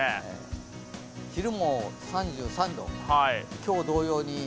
昼も３３度、今日同様に。